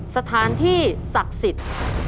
สถานที่ศักดิ์สิทธิ์